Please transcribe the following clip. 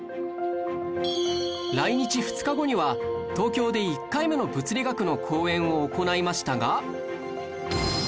来日２日後には東京で１回目の物理学の講演を行いましたが